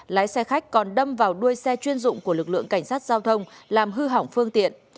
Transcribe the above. lái xe khách còn đâm vào đuôi xe chuyên dụng của lực lượng cảnh sát giao thông làm hư hỏng phương tiện